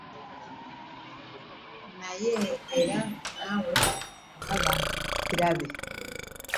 Naye era naawe olaba kirabe.